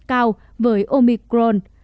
cao với omicron